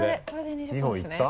２０本いった？